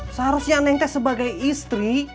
seharusnya neng teh sebagai istri